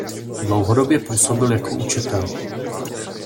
Dlouhodobě působil jako učitel.